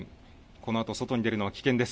このあと外に出るのは危険です。